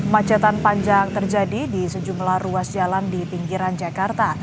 macetan panjang terjadi di sejumlah ruas jalan di pinggiran jakarta